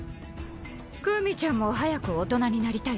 クウミちゃんも早く大人になりたい？